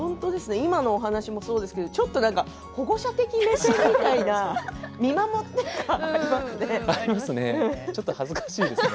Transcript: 今のお話もそうですけどちょっと保護者的目線みたいな見守っている感が。ありますね。